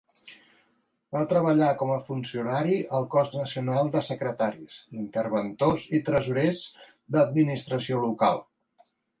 Va treballar com a funcionari al Cos Nacional de Secretaris, Interventors i Tresorers d’Administració Local.